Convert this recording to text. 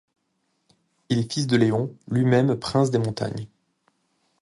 Il est fils de Léon, lui-même prince des Montagnes.